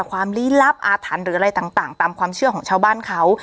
ลี้ลับอาถรรพ์หรืออะไรต่างตามความเชื่อของชาวบ้านเขา